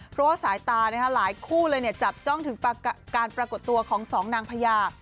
เพราะว่าสายตาหลายคู่เลยจับจ้องถึงการปรากฏตัวของสองนางพญา